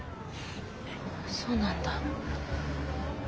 そうなんだ。